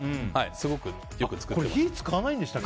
すごく、よく作ってました。